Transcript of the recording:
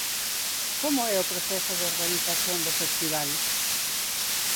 Como é o proceso de organización do festival?